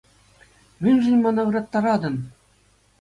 Мӗншӗн мана ыраттаратӑн?